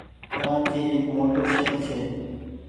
ڪرآچي ايڪ موٽو شهر ڇي۔